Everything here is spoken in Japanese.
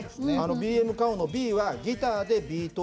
「ＢＭカオ」の「Ｂ」はギターでビートを刻む「Ｂ」と。